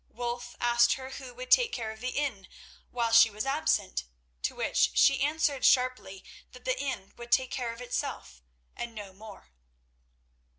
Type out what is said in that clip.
Wulf asked her who would take care of the inn while she was absent, to which she answered sharply that the inn would take care of itself, and no more.